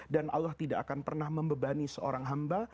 allah tidak akan pernah membebani seorang hamba